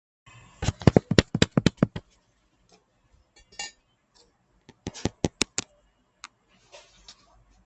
Andorra বিশ্বের ক্ষুদ্রতম রাষ্ট্রগুলির একটি।